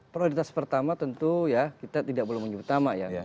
prioritas pertama tentu ya kita tidak boleh menyebut nama ya